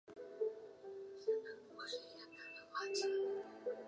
莱丰特内勒人口变化图示